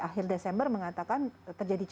akhir desember mengatakan terjadi